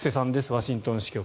ワシントン支局。